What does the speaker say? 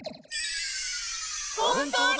ほんとうだ！